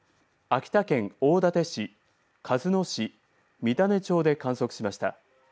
秋田県大館市鹿角市、三種町で観測しました。